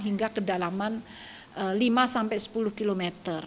hingga kedalaman lima sampai sepuluh km